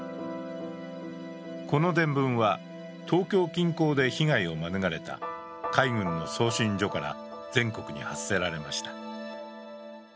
この電文は東京近郊で被害を免れた海軍の送信所から全国に発せられました。